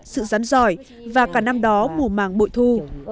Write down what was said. sự rắn giỏi và cả năm đó mùa màng bội thu